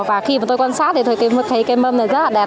và khi mà tôi quan sát thì tôi thấy cái mâm này rất là đẹp